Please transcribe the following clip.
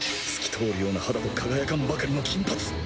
透き通るような肌と輝かんばかりの金髪。